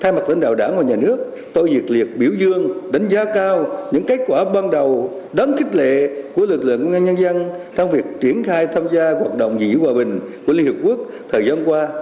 thay mặt lãnh đạo đảng và nhà nước tôi nhiệt liệt biểu dương đánh giá cao những kết quả ban đầu đáng kích lệ của lực lượng công an nhân dân trong việc triển khai tham gia hoạt động giữ hòa bình của liên hợp quốc thời gian qua